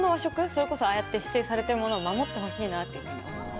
それこそああやって指定されてるものを守ってほしいなっていうふうに思いました。